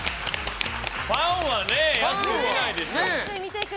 ファンは安く見ないでしょ。